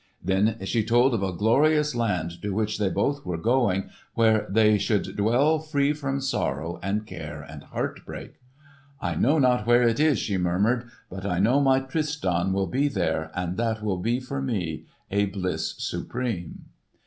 Then she told of a glorious land to which they both were going, where they should dwell free from sorrow and care and heartbreak. "I know not where it is," she murmured, "but I know my Tristan will be there, and that will be for me a bliss supreme!"